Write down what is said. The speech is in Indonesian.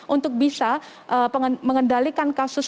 untuk bisa mengendalikan kasus